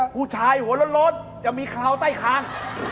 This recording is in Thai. ผู้ชายหัวโลดจะมีขาวใต้คาง